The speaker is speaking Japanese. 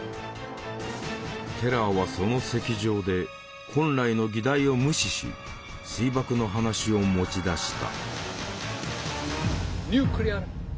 テラーはその席上で本来の議題を無視し水爆の話を持ち出した。